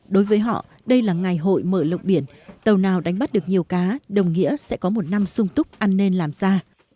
đối với họ đây là ngày hội mở lộng biển tàu nào đánh bắt được nhiều cá đồng nghĩa sẽ có một năm sung túc ăn nên làm ra